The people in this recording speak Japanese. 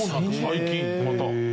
最近また。